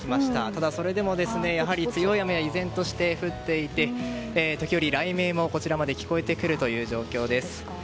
ただそれでもやはり強い雨が依然として降っていて時折、雷鳴もこちらまで聞こえてくる状況です。